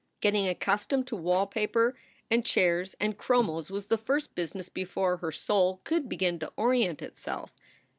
Getting accustomed to wallpaper and chairs and chromos was the first business, before her soul could begin to orient itself.